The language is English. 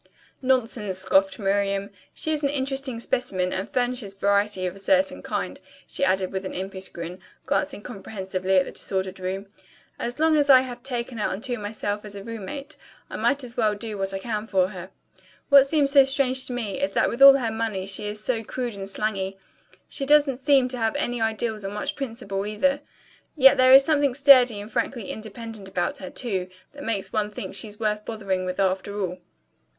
"Nonsense," scoffed Miriam. "She is an interesting specimen, and furnishes variety, of a certain kind," she added with an impish grin, glancing comprehensively at the disordered room. "As long as I have taken her unto myself as a roommate I might as well do what I can for her. What seems so strange to me is that with all her money she is so crude and slangy. She doesn't seem to have any ideals or much principle either. Yet there is something sturdy and frankly independent about her, too, that makes one think she's worth bothering with after all."